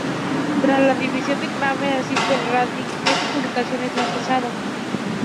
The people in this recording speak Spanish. Tras la dimisión de Kramer, asistente de Randi, estas publicaciones han cesado.